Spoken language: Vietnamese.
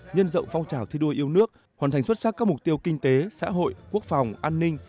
nhân rộng phong trào thi đua yêu nước hoàn thành xuất sắc các mục tiêu kinh tế xã hội quốc phòng an ninh